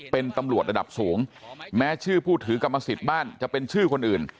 เป็นตำรวจระดับสูงแม้ชื่อผู้ถือกรรมสิทธิ์บ้านจะเป็นชื่อคนอื่น